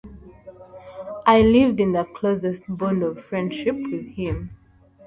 I lived in the closest bond of friendship with him.